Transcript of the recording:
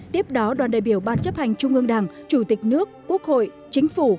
tiếp đó đoàn đại biểu ban chấp hành trung ương đảng chủ tịch nước quốc hội chính phủ